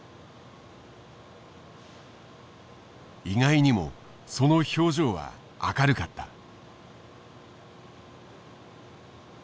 意外にもその表情は明るかった。